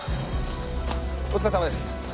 お疲れさまです。